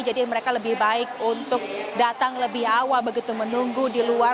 jadi mereka lebih baik untuk datang lebih awal begitu menunggu di luar